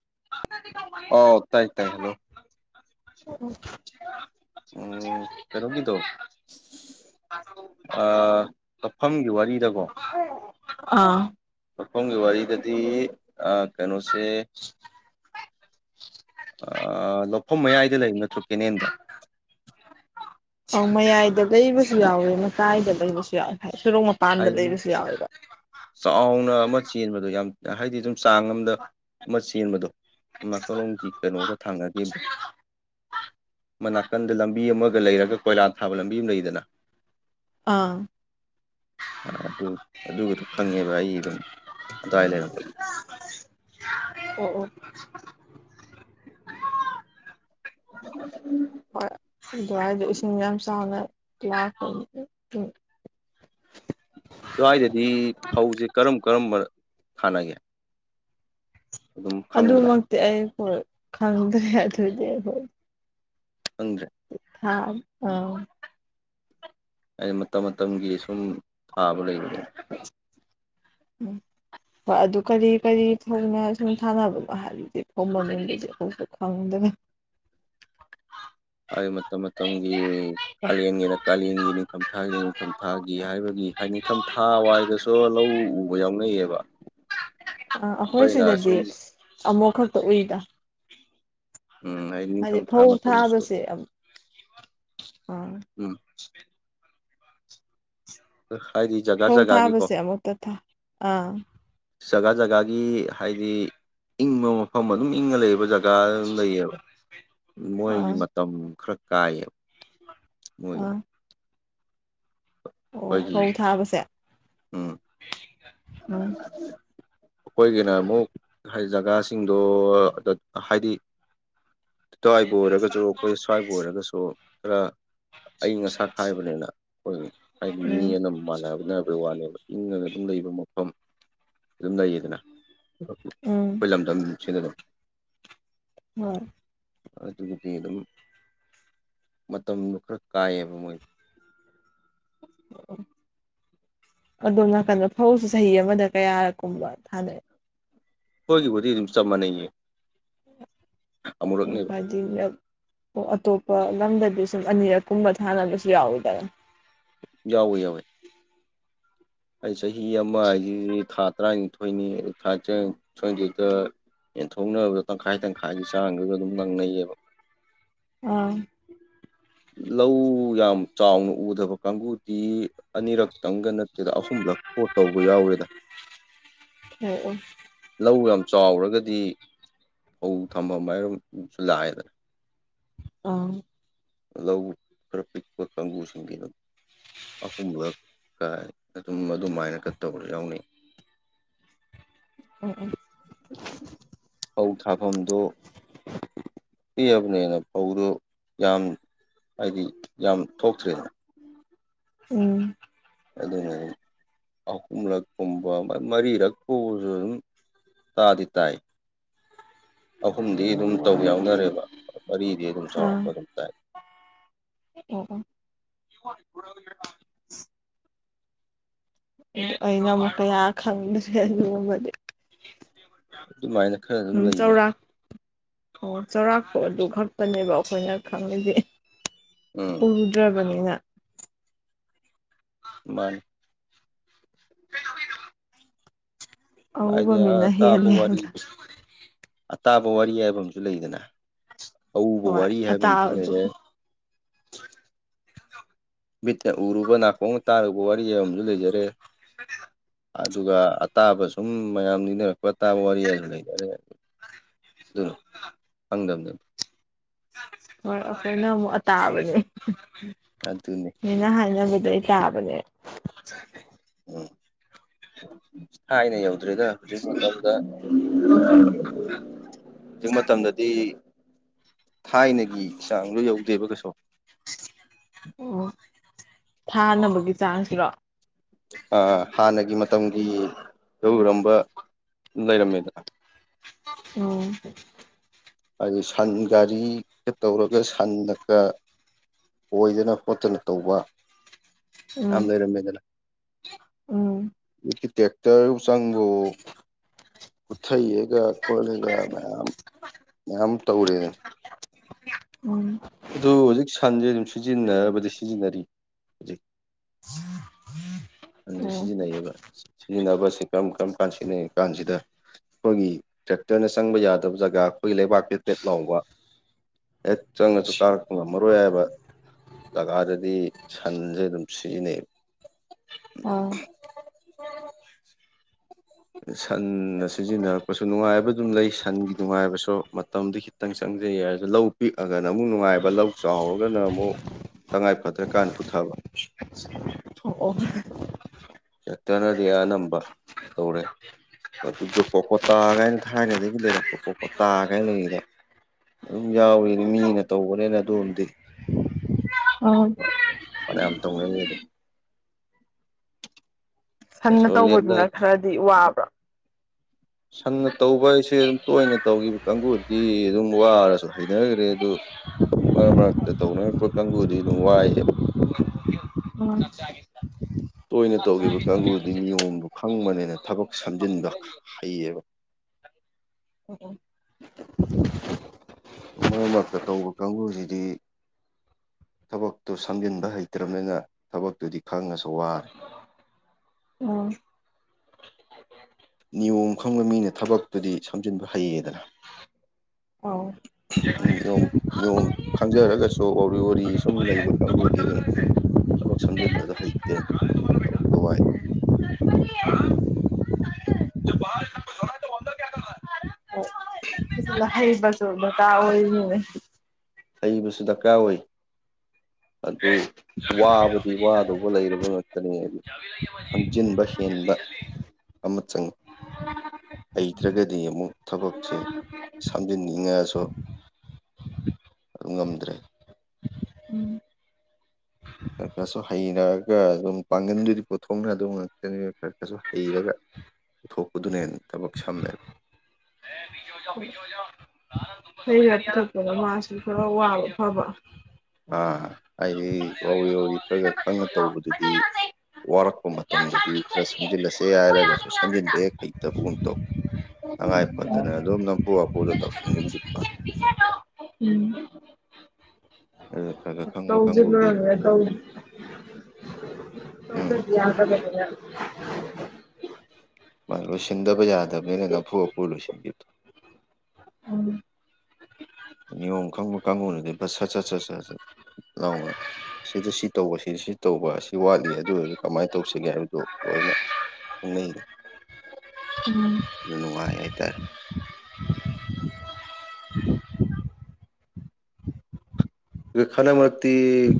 [unintelligible] ꯑꯣ ꯇꯥꯏ ꯇꯥꯏ ꯍꯜꯂꯣ ꯑꯣ ꯎꯝ ꯀꯔꯣꯒꯤꯗꯣ ꯀꯛꯐꯝꯒꯤ ꯋꯥꯔꯤꯗꯀꯣ ꯑꯥ ꯃꯈꯈꯐꯝꯒꯤ ꯋꯥꯔꯤꯗꯗꯤ ꯀꯩꯅꯣꯁꯦ ꯂꯧꯐꯝ ꯃꯌꯥꯏꯗ ꯂꯩꯕ ꯅꯠꯇ꯭ꯔꯣ ꯀꯦꯅꯦꯦꯟꯗꯣ ꯑ ꯃꯌꯥꯏꯗ ꯂꯩꯕꯁꯨ ꯌꯥꯎꯋꯤ ꯃꯇꯥꯏꯗ ꯂꯩꯕꯁꯨ ꯌꯥꯎꯋꯦ ꯁꯔꯣꯛ ꯃꯄꯥꯟꯗ ꯍꯥꯏꯗꯤ ꯂꯩꯕꯁꯨ ꯌꯥꯎꯋꯦꯕ ꯆꯥꯎꯅ ꯑꯃ ꯆꯦꯟꯕꯗꯣ ꯌꯥꯝ ꯍꯥꯏꯗꯤ ꯑꯗꯨꯨꯝ ꯆꯥꯡ ꯑꯃꯗ ꯑꯃ ꯆꯦꯟꯕꯗꯣ ꯅꯥꯀꯜꯂꫭꯝꯒꯤ ꯀꯩꯅꯣꯒ ꯊꯥꯡꯅꯈꯤꯕꯗꯣ ꯃꯅꯥꯀꯟꯗ ꯂꯝꯕꯤ ꯑꯃꯒ ꯂꯩꯔꯒ ꯀꯣꯏꯂꯥ ꯊꯥꯕ ꯂꯝꯕꯤ ꯑꯃ ꯂꯩꯗꯅ ꯑꯥ ꯑꯗꯨ ꯑꯗꯨꯒꯗꯨ ꯈꯪꯉꯦꯕ ꯑꯩ ꯑꯗꯨꯝ ꯑꯗꯨꯋꯥꯏ ꯂꯩꯔ ꯑꯣ ꯑꯣ [unintelligible] ꯎ ꯍꯣꯏ ꯑꯗꯨꯋꯥꯏꯗꯣ ꯏꯁꯤꯡ ꯌꯥꯝ ꯆꯥꯎꯅ ꯌꯥ ꯁ꯭ꯋꯥꯏꯗꯗꯤ ꯐꯧꯁꯦ ꯀꯔꯝ ꯀꯔꯝꯕ ꯊꯥꯅꯒꯦ ꯑꯗꯨꯝ ꯈꯪꯕꯗ ꯑꯗꯨꯃꯛꯇꯤ ꯑꯩ ꯈꯪꯗ꯭ꯔꯦ ꯑꯗꯨꯏꯗꯤ ꯑꯩꯈꯣꯏ ꯈꯪꯗ꯭ꯔꯦ ꯊꯥ ꯑ ꯑ ꯃꯇꯝ ꯃꯇꯝꯒꯤ ꯁꯨꯝ ꯁꯥꯕ ꯂꯩꯕ ꯎꯝ ꯍꯣꯏ ꯑꯗꯨ ꯀꯔꯤ ꯀꯔꯤ ꯊꯧꯅ ꯁꯨꯝ ꯊꯥꯅꯕꯅꯣ ꯍꯥꯏꯗꯤ ꯊꯣꯡꯕ ꯃꯤꯡ ꯂꯩꯩꯁꯦꯁꯨ ꯈꯪꯗꯅ [unintelligible] ꯍꯥꯏ ꯃꯇꯝ ꯃꯇꯝꯒꯤ ꯀꯥꯂꯦꯟꯒꯤꯅ ꯀꯥꯂꯦꯟꯒꯤ ꯅꯤꯡꯊꯝꯊꯥꯒꯤꯅ ꯅꯤꯡꯊꯝꯊꯥꯒꯤ ꯍꯥꯏꯕꯒꯤ ꯍꯥꯏ ꯅꯤꯡꯊꯝ ꯊꯥ ꯋꯥꯏꯗꯁꯨ ꯂꯧ ꯎꯕ ꯌꯥꯎꯅꯩꯌꯦꯕ ꯑ ꯑꯩꯈꯣꯏ ꯑꯩꯈꯣꯏꯅ ꯁꯤꯗꯗꯤ ꯁꯨꯝ ꯑꯃꯨꯛ ꯈꯛꯇ ꯎꯏꯗ ꯎꯝ ꯍꯥꯏꯗꯤ ꯅꯤꯡꯊꯝꯊꯥ ꯐꯧ ꯃꯇꯝꯗꯁꯨ ꯊꯥꯕꯁꯦ ꯑ ꯎꯝ ꯍꯥꯏꯗꯤ ꯖꯒꯥ ꯐꯧ ꯖꯒꯥꯒꯤꯀꯣ ꯊꯥꯕꯁꯦ ꯑꯃꯨꯛꯇ ꯊꯥ ꯑꯥ ꯖꯒꯥ ꯖꯒꯥꯒꯤ ꯍꯥꯏꯗꯤ ꯏꯪꯕ ꯃꯐꯝ ꯑꯗꯨꯝ ꯏꯪꯉ ꯂꯩꯕ ꯖꯒꯥ ꯀ ꯑꯗꯨꯝ ꯂꯩꯌꯦꯕ ꯃꯣꯏꯒꯤ ꯑꯥ ꯃꯇꯝ ꯈꯔ ꯀꯥꯏꯌꯦꯕ ꯍꯣꯏ ꯑꯥ ꯑꯣ ꯐꯧ ꯊꯥꯕꯁꯦ ꯎꯝ ꯎꯝ [inaudible] ꯑꯩꯈꯣꯏꯒꯤꯅ ꯑꯃꯨꯛ ꯍꯥꯏꯗꯤ ꯖꯒꯥꯁꯤꯡꯗꯣ ꯍꯥꯏꯗꯤ ꯑꯗꯨꯋꯥꯏꯕꯨ ꯑꯣꯏꯔꯒꯁꯨ ꯑꯩꯈꯣꯏ ꯁ꯭ꯋꯥꯏꯕꯨ ꯑꯣꯏꯔꯒꯁꯨ ꯈꯔ ꯑꯏꯪ ꯑꯁꯥ ꯈꯥꯏꯕꯅꯤꯅ ꯑꯩꯈꯣꯏ ꯍꯥꯏꯗꯤ ꯃꯤ ꯎꯝ ꯑꯅ ꯃꯥꯟꯅꯅꯕꯒꯤ ꯋꯥꯅꯦꯕ ꯏꯪꯅ ꯑꯗꯨꯝ ꯂꯩꯕ ꯃꯐꯝ ꯑꯗꯨꯝ ꯂꯩꯌꯦꯗꯅ ꯎꯝ ꯑꯩꯈꯣꯏ ꯂꯝꯗꯝ ꯁꯤꯗꯗ ꯍ ꯑ ꯆꯕꯇꯤꯗꯝ ꯃꯇꯝꯗꯨ ꯈꯔ ꯀꯥꯏꯑꯕ ꯃꯣꯏ ꯑꯗꯣ ꯅꯥꯀꯟꯗ ꯐꯧꯁꯨ ꯆꯍꯤ ꯑꯃꯗ ꯀꯌꯥ ꯀꯨꯝꯕ ꯊꯥꯅꯩ ꯍꯣꯏꯒꯤꯕꯨꯗꯤ ꯆꯞ ꯃꯥꯅꯩ ꯑꯣ ꯍꯥꯏꯗꯤ ꯑꯇꯣꯞꯄ ꯂꯝꯗꯗꯤꯁꯨ ꯁꯨꯝ ꯑꯅꯤꯔꯛ ꯀꯨꯝꯕ ꯊꯥꯅꯕꯁꯨ ꯌꯥꯎꯗꯅ ꯌꯥꯎꯋꯦ ꯌꯥꯎꯋꯦ ꯑꯩ ꯆꯍꯤ ꯑꯃ ꯍꯥꯏꯁꯤꯗꯤ ꯊꯥ ꯇꯔꯥꯅꯤꯊꯣꯏꯅꯤ ꯊꯥ ꯇꯔꯥꯅꯤꯊꯣꯏꯁꯤꯗ ꯌꯦꯟꯊꯣꯛꯅꯕꯗꯣ ꯇꯪꯈꯥꯏ ꯇꯪꯈꯥꯏꯒꯤ ꯆꯥꯡꯗꯨꯒ ꯑꯗꯨꯝ ꯅꯪꯅꯩꯌꯦꯕ ꯑꯥ ꯂꯧ ꯌꯥꯝ ꯆꯥꯎꯅ ꯎꯗꯕ ꯀꯥꯡꯕꯨꯗꯤ ꯑꯅꯤꯔꯛ ꯈꯤꯇꯪꯒ ꯅꯠꯇꯦꯗ ꯑꯍꯨꯝꯂꯛ ꯀꯣꯠ ꯇꯧꯕ ꯌꯥꯎꯋꯦꯗ ꯑꯣ ꯂꯧ ꯌꯥꯝ ꯆꯥꯎꯔꯒꯗꯤ ꯐꯧ ꯊꯝꯕ ꯃꯌꯝ ꯑꯃꯁꯁꯨ ꯂꯥꯛꯑꯦꯗꯅ ꯑ ꯂꯧ ꯈꯔ ꯄꯤꯛꯄ ꯀꯥꯡꯕꯨꯁꯤꯡꯗꯤ ꯑꯗꯨꯝ ꯑꯍꯨꯝꯂꯛ ꯀꯥꯏ ꯑꯗꯨꯝ ꯑꯗꯨꯃꯥꯏꯅ ꯀ ꯇꯧꯕ ꯌꯥꯎꯅꯩ ꯑꯣ ꯑꯣ ꯐꯧ ꯊꯥꯐꯝꯗꯨ ꯄꯤꯑꯕꯅꯦꯅ ꯐꯧꯗꯨ ꯌꯥꯝ ꯍꯥꯏꯗꯤ ꯌꯥꯝ ꯊꯣꯛꯇ꯭ꯔꯔꯤꯅ ꯎꯝ ꯑꯗꯨꯅ ꯑꯍꯨꯝꯂꯛꯀꯨꯝꯕ ꯃꯔꯤꯔꯛꯀꯕꯁꯨ ꯑꯗꯨꯝ ꯇꯥꯗꯤ ꯇꯥꯏ ꯑꯍꯨꯝꯗꯤ ꯑꯗꯨꯝ ꯇꯧ ꯌꯥꯎꯅꯔꯦꯕ ꯃꯔꯤꯗꯤ ꯑꯗꯨꯝ ꯑꯥ ꯆꯥꯎꯔꯥꯛꯄ ꯑꯗꯨꯝ ꯇꯥꯏ [inaudible] ꯑꯩꯅ ꯑꯃꯨꯛ ꯀꯌꯥ ꯈꯪꯗ꯭ꯔꯦ ꯂꯨꯃꯗꯤ ꯑꯗꯨꯃꯥꯏꯅ ꯈꯔ ꯑꯗꯨꯝ ꯂꯩꯕꯅꯤ ꯑꯣ ꯆꯥꯎꯔꯥꯛꯄ ꯑꯗꯨ ꯈꯛꯇꯅꯦꯕ ꯑꯩꯈꯣꯏꯅ ꯈꯪꯉꯤꯁꯦ ꯎꯝ ꯀꯗ꯭ꯔꯥꯕꯅꯤꯅ ꯃꯥꯅꯤ [unintelligible] ꯑꯎꯕ ꯍꯥꯏꯗꯤ ꯃꯤꯅ ꯇꯄ ꯍꯦꯜꯂꯦ ꯄꯨꯋꯥꯔꯤ ꯍꯥꯏꯗ ꯇꯥꯕ ꯋꯥꯔꯤ ꯌꯥꯕꯨ ꯂꯩꯗꯅ ꯑꯎꯕ ꯍꯣꯏ ꯋꯥꯔꯤ ꯍꯥꯏꯕ ꯑ ꯑꯃꯁꯨ ꯑꯇꯥꯕꯗꯨ ꯂꯩꯔꯦ ꯕꯤꯠꯅ ꯎꯔꯨꯕ ꯅꯥꯀꯣꯡ ꯇꯥꯔꯨꯕ ꯋꯥꯔꯤ ꯑꯨ ꯂꯩꯖꯔꯦ [unintelligible] ꯑꯗꯨꯒ ꯑꯇꯥꯕ ꯁꯨꯝ ꯃꯌꯥꯝ ꯅꯤꯡꯅꯔꯛꯄ ꯑꯇꯥꯕ ꯋꯥꯔꯤꯁꯨ ꯂꯩꯅꯔꯦ ꯑꯗꯨꯣ ꯊꯪꯗꯝꯝꯗ ꯍꯣꯏ ꯑꯩꯈꯣꯏꯅ ꯑꯃꯨꯛ ꯑꯇꯥꯕꯅꯦ ꯑꯗꯨꯅꯤ ꯑꯩꯅ ꯍꯥꯏꯅꯕꯗꯩ ꯌꯥꯕꯅꯦꯦ ꯊꯥꯏꯅ ꯌꯧꯗ꯭ꯔꯦꯗ ꯍꯧꯖꯤꯛ ꯃꯇꯝꯗ ꯍꯧꯖꯤꯛ ꯃꯇꯝꯗꯗꯤ ꯊꯥꯏꯅꯒꯤ ꯆꯥꯡꯗꯣ ꯌꯧꯗꯦꯕ ꯀꯩꯁꯨ ꯑꯣ ꯊꯥꯅꯕꯒꯤ ꯆꯥꯡꯁꯤꯔꯣ ꯍꯥꯟꯅꯒꯤ ꯃꯇꯝꯒꯤ ꯂꯧꯔꯝꯕ ꯂꯩꯔꯃꯤꯗꯥ ꯑꯣ ꯍꯥꯏꯗꯤ ꯁꯟ ꯒꯥꯔꯤꯒ ꯇꯧꯔꯒ ꯁꯟꯗꯀ ꯑꯣꯏꯗꯅ ꯈꯣꯠꯇꯅ ꯇꯧꯕ ꯎꯝ ꯌꯥꯝ ꯂꯩꯔꯝꯃꯦꯗꯅ ꯎꯝ ꯇꯦꯛꯇꯔ ꯁꯥꯡꯒꯣ ꯄꯨꯊꯩꯑꯒ ꯈꯣꯠꯂꯦꯒ ꯃꯌꯥꯝ ꯃꯌꯥꯝ ꯇꯧꯔꯦ ꯎꯝ ꯑꯗꯨ ꯍꯧꯖꯤꯛ ꯁꯟꯁꯦ ꯑꯗꯨꯝ ꯁꯤꯖꯤꯟꯅꯔꯕꯗꯤ ꯁꯤꯖꯤꯟꯅꯔꯤ ꯍꯧꯖꯤꯛ ꯍ ꯑꯗꯤ ꯁꯤꯗꯤꯅꯌꯦꯕ ꯁꯤꯖꯤꯟꯅꯕꯁꯤ ꯀꯔꯝ ꯀꯔꯝ ꯀꯥꯟꯗ ꯁꯤꯖꯤꯟꯅꯔꯤ ꯀꯥꯟꯁꯤꯗ ꯑꯩꯈꯣꯏꯒꯤ ꯇ꯭ꯔꯦꯛꯇꯔꯅ ꯆꯪꯕ ꯌꯥꯗꯕ ꯖꯒꯥ ꯑꯩꯒꯤ ꯂꯩꯕꯥꯛꯀꯤ ꯄꯦꯠ ꯂꯥꯎꯕ ꯑꯦ ꯆꯪꯉ ꯀꯥꯔꯛꯄ ꯉꯝꯃꯔꯣꯏ ꯍꯥꯏꯕ ꯖꯒꯥꯗꯗꯤ ꯁꯟꯁꯦ ꯑꯗꯨꯝ ꯁꯤꯖꯤꯟꯅꯩꯌꯦꯕ ꯑꯣ ꯁꯟꯅ ꯁꯤꯖꯤꯟꯅꯔꯛꯄꯁꯨ ꯅꯨꯡꯉꯥꯏꯕ ꯑꯗꯨꯝ ꯂꯩ ꯁꯟꯒꯤ ꯅꯨꯡꯉꯥꯏꯕꯁꯨ ꯃꯇꯝꯗꯨ ꯈꯤꯇꯪ ꯆꯪ ꯐꯖꯩ ꯌꯥꯔꯁꯨ ꯂꯧ ꯄꯤꯛꯑꯒꯅ ꯑꯃꯨꯛ ꯅꯨꯡꯉꯥꯏꯕ ꯂꯧ ꯆꯥꯎꯔꯒꯅ ꯑꯃꯨꯛ ꯇꯉꯥꯏ ꯐꯗ꯭ꯔꯦ ꯀꯥꯟꯅ ꯄꯨꯊꯕ ꯑꯣ ꯍꯦꯛꯇꯅꯗꯤ ꯑꯅꯝꯕ ꯇꯧꯔꯦ ꯑꯗꯨꯒ ꯀꯣꯀꯣꯇꯥꯒꯥꯏꯅ ꯊꯥꯏꯅꯗꯒꯤ ꯂꯩꯔꯛꯄ ꯀꯣꯀꯣꯇꯥꯒꯥꯏꯅ ꯂꯩꯔꯤꯗ ꯑꯗꯨꯝ ꯌꯥꯎꯋꯅꯤ ꯃꯤꯅ ꯇꯧꯕꯅꯦꯅ ꯑꯗꯨꯝꯗꯤ ꯑꯣ ꯃꯅꯌꯥꯝ ꯇꯧꯅꯩꯌꯦ ꯑꯗ ꯁꯟꯅ ꯀꯩꯁꯨ ꯇꯧꯕꯗꯨꯅ ꯂꯦꯞꯅꯗꯦ ꯈꯔꯗꯤ ꯋꯥꯕ꯭ꯔꯥ ꯁꯝꯅ ꯇꯧꯕ ꯍꯥꯏꯁꯦ ꯑꯗꯨꯝ ꯇꯣꯏꯅ ꯇꯧꯈꯤꯕ ꯀꯥꯡꯕꯨꯗꯤ ꯑꯗꯨꯝ ꯋꯥꯔꯁꯨ ꯍꯩꯅꯈ꯭ꯔꯦ ꯑꯗꯨ ꯃꯔꯛ ꯃꯔꯛꯇ ꯇꯧꯅꯔꯛꯄ ꯀꯥꯡꯕꯨꯗꯤ ꯅꯨꯡ ꯋꯥꯏꯑꯕ [unintelligible] ꯇꯣꯏꯅ ꯇꯧꯈꯤꯕ ꯀꯥꯡꯕꯨꯗꯤ ꯅꯤꯌꯣꯝꯗꯨ ꯈꯪꯕꯅꯦꯅ ꯊꯕꯛ ꯁꯝꯖꯤꯟꯕ ꯍꯩꯌꯦꯕ ꯃꯔꯛ ꯃꯔꯛꯇ ꯇꯧꯕ ꯀꯥꯡꯕꯨꯁꯤꯗꯤ ꯊꯕꯛꯇꯨ ꯁꯝꯖꯤꯟꯕ ꯍꯩꯇ꯭ꯔꯕꯅꯦꯅ ꯊꯕꯛꯇꯨꯗꯤ ꯈꯪꯉꯁꯨ ꯋꯥꯔꯦ ꯎꯝ ꯅꯤꯌꯣꯝ ꯈꯪꯕ ꯃꯤꯅ ꯊꯕꯛꯇꯨꯗꯤ ꯁꯝꯖꯤꯟꯕ ꯍꯩꯌꯦꯗꯅ ꯑꯥꯎ ꯅꯤꯌꯣꯝ ꯅꯤꯌꯣꯝ ꯈꯪꯖꯔꯒꯁꯨ ꯋꯥꯔꯤ ꯋꯥꯔꯤ ꯁꯨꯝ ꯂꯩꯕ ꯀꯥꯡꯕꯨꯗꯤ ꯑꯗꯨꯝ ꯊꯕꯛ ꯁꯝꯖꯤꯟꯕꯗꯣ ꯍꯩꯇꯦ ꯊꯕꯛꯇꯣ ꯋꯥꯏ ꯑꯗꯨꯒ [inaudible] ꯐꯖꯅ ꯍꯩꯕꯁꯨ ꯗꯀꯥꯔ ꯑꯣꯏꯔꯤꯅꯤꯅꯦ ꯍꯩꯕꯁꯨ ꯗꯔꯀꯥꯔ ꯑꯣꯏ ꯑꯗꯨ ꯋꯥꯕꯗꯤ ꯋꯥꯗꯧꯕ ꯂꯩꯔꯕ ꯉꯥꯛꯇꯅꯤ ꯍꯥꯏꯗꯤ ꯍꯪꯖꯤꯟꯕ ꯍꯦꯟꯕ ꯑꯃ ꯆꯪꯉꯤ ꯍꯩꯇ꯭ꯔꯒꯗꯤ ꯑꯃꯨꯛ ꯊꯕꯛꯁꯦ ꯁꯦꯝꯖꯤꯟꯅꯤꯡꯉꯥꯁꯨ [unintelligible] ꯑꯗꯨ ꯉꯝꯗ꯭ꯔꯦ ꯎ ꯈꯔ [unintelligible] ꯍꯩꯔꯛꯑꯒ ꯑꯗꯨꯝ ꯄꯥꯡꯒꯟꯗꯨꯗꯤ ꯄꯨꯊꯣꯛꯅꯗꯧ ꯑꯗꯨꯝ ꯉꯥꯛꯇꯅꯤ ꯈꯔ ꯀꯩꯁꯨ ꯍꯩꯔꯒ ꯄꯨꯊꯣꯛꯄꯗꯨꯅ ꯍꯦꯟꯅꯥ ꯊꯕꯛ ꯁꯝꯃꯦ [inaudible] ꯍꯩꯔꯛꯗꯤ ꯇꯧꯔꯛꯑꯗꯤ ꯃꯥꯁꯨ ꯈꯔ ꯋꯥꯕ ꯐꯕ ꯑꯥ ꯑꯩ ꯋꯥꯎꯔꯤ ꯋꯥꯎꯔꯤ ꯈꯔ ꯈꯔ ꯈꯪꯉꯥ ꯇꯧꯕꯗꯨꯗꯤ ꯋꯥꯔꯛꯄ ꯃꯇꯝꯗꯗꯤ ꯈꯔ ꯁꯝꯖꯤꯜꯂꯁꯦ ꯍꯥꯏꯔꯒꯁꯨ ꯁꯝꯖꯤꯟꯕ ꯍꯦꯛ ꯍꯩꯇꯕꯒꯨꯝ ꯇꯧ [inaudible] ꯇꯉꯥꯏ ꯐꯗꯅ ꯑꯗꯨꯝ ꯅꯝꯐꯨ ꯍꯥꯐꯨꯗ ꯇꯧꯁꯤꯟꯒꯨꯝꯕ ꯎꯝ [inaudible] ꯀꯥꯡꯕꯨꯗꯤ ꯑꯗꯨꯝ ꯇꯧꯗꯔ꯭ꯤꯕꯅꯦ ꯇꯧꯗꯔꯤ ꯎꯝ [inaudible] ꯃꯥ ꯂꯣꯏꯁꯤꯟꯗꯕ ꯌꯥꯗꯕꯅꯤꯅ ꯅꯝꯐꯨ ꯍꯥꯐꯨ ꯂꯣꯏꯁꯤꯟꯈꯤꯕꯗꯣ ꯎꯝ ꯅꯤꯌꯣꯝ ꯈꯪꯕ ꯀꯥꯡꯕꯨꯅꯗꯤꯕ ꯁꯠ ꯁꯠ ꯁꯠ ꯁꯠ ꯁꯠ ꯁꯠ ꯂꯥꯎꯅ ꯁꯤꯗ ꯁꯤ ꯇꯧꯕ ꯁꯤ ꯁꯤ ꯇꯧꯕ ꯑꯁꯤ ꯋꯥꯠꯂꯤ ꯑꯗꯨ ꯑꯣꯏꯔꯗꯤ ꯀꯃꯥꯏꯅ ꯇꯧꯁꯤꯒꯦ ꯍꯥꯏꯕꯗꯨ ꯂꯣꯏꯅ ꯎꯝ ꯅꯨꯡꯉꯥꯏ ꯍꯥꯏꯇꯥꯔꯦ [inaudible] ꯈꯟꯗꯥꯛ ꯃꯔꯛꯇꯤ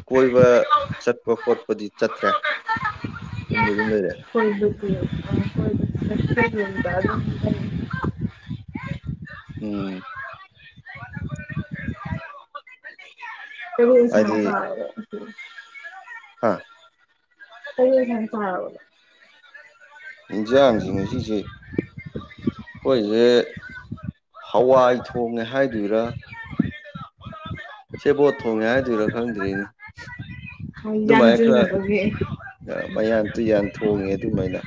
ꯀꯣꯏꯕ ꯆꯠꯄ ꯈꯣꯠꯄꯗꯤ ꯆꯠꯇ꯭ꯔꯦ ꯌꯨꯝꯗ ꯁꯨꯝ ꯂꯩꯔꯦ [inaudible] ꯎꯝ ꯀꯔꯤ ꯌꯦꯟꯁꯥꯡ ꯆꯥꯔꯥꯒꯦ ꯍꯥꯥ ꯀꯩ ꯌꯦꯟꯁꯥꯥꯡ ꯆꯥꯔꯕ ꯑꯦꯟꯁꯥꯡ ꯁꯦ ꯉꯥꯁꯤꯁꯦ ꯑꯩꯈꯣꯏꯁꯦ ꯍꯋꯥꯏ ꯊꯣꯡꯉꯦ ꯍꯥꯏꯗꯣꯏꯔꯥ ꯁꯦꯕꯣꯠ ꯊꯣꯡꯉꯦ ꯍꯥꯏꯗꯣꯏꯔꯥ ꯈꯪꯗ꯭ꯔꯦꯅꯦ ꯑꯗꯨꯃꯥꯏꯅ ꯈꯔ [inaudible] ꯃꯌꯥꯟ ꯇꯨꯌꯥꯝꯟ ꯊꯣꯡꯉꯦ ꯑꯗꯨꯃꯥꯏꯅ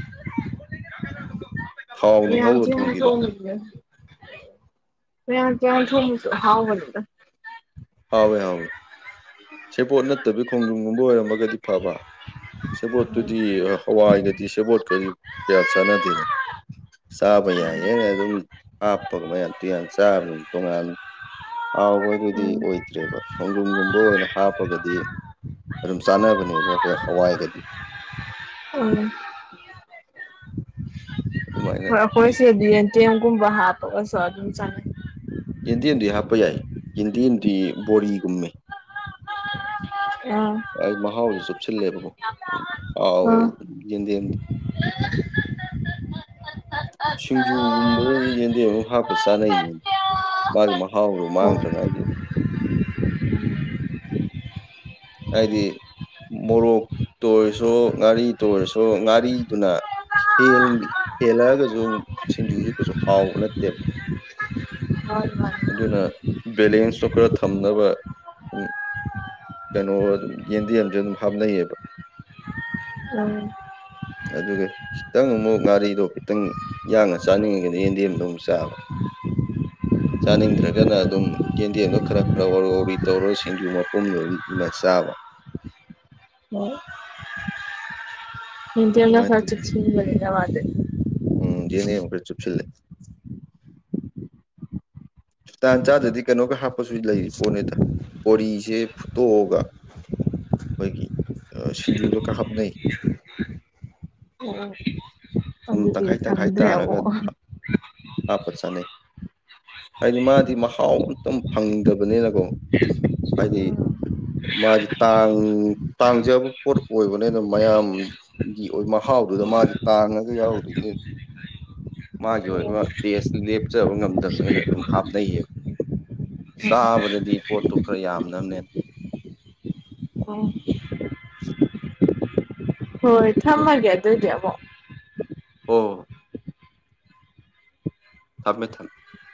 ꯊꯥꯎꯅ ꯃꯌꯥꯟ ꯉꯧꯔ ꯇꯨꯌꯥꯟ ꯊꯣꯡꯕꯤꯔꯣ ꯊꯣꯡꯕꯁꯤꯅ ꯃꯥꯌꯟ ꯇꯨꯌꯥꯟ ꯊꯣꯡꯕꯁꯨ ꯍꯥꯎꯕꯅꯤꯗ ꯍꯥꯎꯋꯦ ꯍꯥꯎꯋꯦ ꯁꯦꯕꯣꯠ ꯅꯠꯇꯕꯤ ꯈꯣꯡꯗꯔꯨꯝꯒꯨꯝꯕ ꯑꯣꯏꯔꯝꯃꯒꯗꯤ ꯐꯕ ꯎꯝ ꯁꯦꯕꯣꯠꯇꯨꯗꯤ ꯍꯋꯥꯏꯒꯗꯤ ꯁꯦꯕꯣꯠꯀꯗꯤ ꯀꯌꯥ ꯆꯥꯟꯅꯗꯦꯗꯅ ꯆꯥꯕ ꯌꯥꯏ ꯍꯥꯢꯅ ꯑꯗꯨꯝ ꯍꯥꯞꯄꯒ ꯃꯌꯥꯝ ꯇꯨꯌꯥꯟ ꯆꯥꯕꯗ ꯇꯣꯉꯥꯟꯅ ꯍꯥꯎꯕ ꯍꯥꯏꯗꯨꯗꯤ ꯎꯝ ꯎꯝ ꯑꯣꯏꯗ꯭ꯔꯦꯕ ꯈꯣꯡꯗꯔꯨꯒꯨꯝꯕ ꯑꯣꯏꯅ ꯍꯥꯞꯄꯒꯗꯤ ꯑꯗꯨꯝ ꯆꯥꯅꯕꯅꯦꯕ ꯑꯩꯈꯣꯏ ꯍꯋꯥꯏꯒꯗꯤ ꯎꯝ ꯑꯗꯨꯃꯥꯏꯅ ꯍꯣꯏ ꯑꯩꯈꯣꯏꯁꯦ ꯑꯦꯟꯇꯦꯝꯒꯨꯝꯕ ꯍꯥꯞꯄꯒꯁꯨ ꯑꯗꯨꯝ ꯆꯥꯅꯩ ꯌꯦꯟꯗꯦꯝꯗꯤ ꯍꯥꯞꯄ ꯌꯥꯏ ꯌꯦꯟꯗꯦꯝꯗꯤ ꯕꯣꯔꯤꯒꯨꯝꯃꯤ ꯎꯝ ꯑꯩ ꯃꯍꯥꯎꯁꯨ ꯆꯨꯞꯁꯤꯜꯂꯦꯕꯀꯣ ꯍꯥꯎꯋꯦ ꯑꯥ ꯌꯦꯟꯗꯦꯝꯗꯤ [unintelligible] ꯁꯤꯡꯖꯨꯒꯨꯝꯕꯗ ꯑꯗꯨꯝ ꯌꯦꯟꯗꯦꯝ ꯑꯃꯨꯝ ꯍꯥꯞꯄ ꯆꯥꯅꯩꯅꯦ ꯃꯥꯒꯤ ꯃꯍꯥꯎꯗꯨꯣ ꯍꯣꯏ ꯃꯥꯡꯗꯉꯥꯏꯒꯤ [inaudible] ꯍꯥꯏꯗꯤ ꯃꯣꯔꯣꯛ ꯇꯣꯏꯔꯁꯨ ꯉꯥꯔꯤ ꯇꯣꯏꯔꯁꯨ ꯉꯥꯔꯤꯗꯨꯅ ꯍꯦꯜꯂꯛꯑꯒꯁꯨ ꯁꯤꯡꯖꯨꯁꯨ ꯀꯩꯁꯨ ꯍꯥꯎꯕ ꯅꯠꯇꯦꯕ [inaudible] ꯑꯗꯨꯅ ꯕꯦꯂꯦꯟꯁꯇꯣ ꯈꯔ ꯊꯝꯅꯕꯝ ꯀꯩꯅꯣ ꯑꯗꯨꯝ ꯌꯦꯟꯗꯦꯝꯦꯝꯁ ꯑꯗꯨꯝ ꯍꯥꯞꯅꯩꯌꯦꯕ ꯎꯝ ꯑꯗꯨꯒ ꯈꯤꯇꯪ ꯑꯃꯨꯛ ꯉꯥꯔꯤꯗꯣ ꯈꯤꯇꯪ ꯌꯥꯡꯅ ꯆꯥꯅꯤꯡꯉꯤꯒꯅꯤ ꯌꯦꯟꯗꯦꯝꯗꯣ ꯑꯃꯨꯛ ꯆꯥꯕ [inaudible] ꯆꯥꯅꯤꯡꯗ꯭ꯔꯒꯅ ꯑꯗꯨꯝ ꯌꯦꯟꯗꯦꯝꯗ ꯈꯔ-ꯈꯔ ꯋꯥꯎꯔꯤ-ꯋꯥꯎꯔꯤ ꯇꯧꯔꯒ ꯁꯤꯡꯖꯨ ꯃꯄꯨꯝꯗꯣ ꯑꯗꯨꯝ ꯃꯁꯕ [unintelligible] ꯍꯣꯏ ꯏꯗꯤ ꯇꯧꯅꯤ ꯐꯔ ꯋꯥꯗꯦ [unintelligible] ꯎꯝ ꯌꯦꯅꯦ ꯈꯔ ꯆꯨꯞꯁꯤꯜꯂꯦ ꯁꯨꯇꯥꯟ ꯆꯥꯗ꯭ꯔꯗꯤ ꯀꯩꯅꯣꯒ ꯍꯥꯞꯄꯁꯨ ꯂꯩꯔꯤ ꯄꯣꯠꯅꯤꯗ ꯕꯣꯔꯤꯁꯦ ꯐꯨꯠꯇꯣꯛꯑꯒ ꯑꯩꯈꯣꯏꯒꯤ ꯁꯤꯡꯖꯨꯗꯒ ꯍꯥꯞꯅꯩ ꯑꯣ ꯁꯨꯝ ꯑꯗꯨꯗꯒꯤ ꯈꯗ꯭ꯔꯦ ꯍꯥꯥꯄꯥ ꯆꯥꯅꯩ ꯍꯥꯏꯗꯤ ꯃꯥꯗꯤ ꯃꯍꯥꯎ ꯑꯝꯇ ꯐꯪꯗꯕꯅꯤꯅꯀꯣ ꯍꯥꯏꯗꯤ ꯃꯥꯗꯤ ꯇꯥꯡ-ꯇꯥꯡꯖꯕ ꯄꯣꯠ ꯑꯣꯏꯕꯅꯤꯅ ꯃꯌꯥꯝꯒꯤ ꯑꯣꯏ ꯃꯍꯥꯎ ꯥꯎꯗꯨꯗ ꯃꯥꯁꯦ ꯇꯥꯡꯉꯒ ꯌꯥꯎꯗꯣꯏꯅꯦ [inaudible] ꯃꯥꯒꯤ ꯎꯝ ꯎꯝ ꯑꯣꯏꯕ ꯇꯦꯁ ꯂꯦꯞꯆꯕ ꯉꯝꯗꯕꯅꯦꯅ ꯑꯗꯨꯝ ꯍꯥꯞꯅꯩꯌꯦꯕ ꯆꯥꯕꯗꯗꯤ ꯄꯣꯠꯇꯨ ꯈꯔ ꯌꯥꯝꯅꯥꯅꯦꯅꯥ ꯀ [inaudible] ꯍꯣꯏ ꯊꯝꯃꯒꯦ ꯑꯗꯨꯏꯗꯤ ꯑꯃꯕꯛ ꯑꯥ [inaudible]